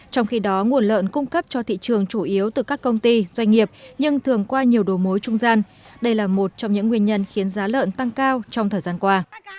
trong khi đó nguồn lợn cung cấp cho thị trường chủ yếu từ các công ty doanh nghiệp nhưng thường qua nhiều đồ mối trung gian đây là một trong những nguyên nhân khiến giá lợn tăng cao trong thời gian qua